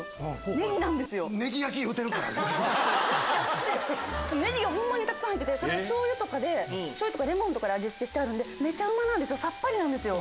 ねぎがホンマにたくさん入っててしょうゆとかレモンとかで味付けしてあるんでめちゃうまなんですよさっぱりなんですよ。